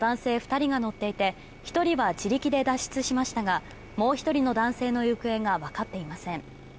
２人が乗っていて１人は自力で脱出しましたがもう１人の男性の行方が分かっていません。